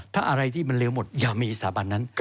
ถ้าอะไรที่มันเร็วหมดอย่ามีสถาบันนั้น